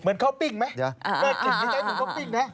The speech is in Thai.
เหมือนข้าวปิ้งไหมเว้นกลิ่นหมี่ใจทุนนกปิ้งน่ะ